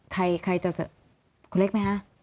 ใครจะจะคุณเล็กไหมฮะ